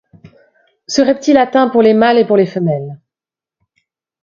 Ce reptile atteint pour les mâles et pour les femelles.